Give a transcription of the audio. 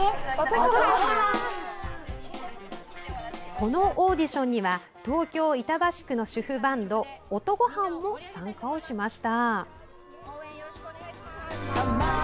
このオーディションには東京・板橋区の主婦バンド音ごはんも参加をしました。